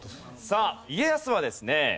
さあ家康はですね